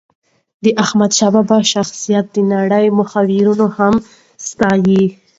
د احمد شاه بابا شخصیت د نړی مورخین هم ستایي.